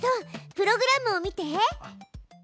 プログラムを見て。